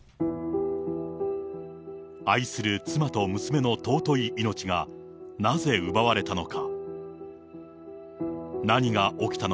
愛する妻と娘の尊い命が、なぜ奪われたのか。